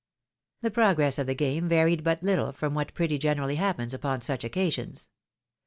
The progress of the game varied but httle from what pretty generally happens upon such occasions.